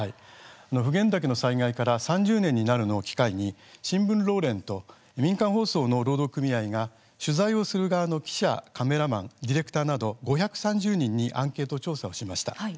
普賢岳の災害から３０年になるのを機会に新聞労連と民間放送の労働組合が取材をする側の記者カメラマン、ディレクターなど５３０人にアンケート調査をしました。